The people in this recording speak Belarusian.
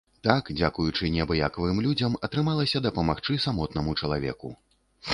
Так дзякуючы неабыякавым людзям атрымалася дапамагчы самотнаму чалавеку.